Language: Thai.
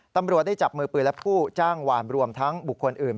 ตำรวจได้จับมือปืนและผู้จ้างวานรวมทั้งบุคคลอื่น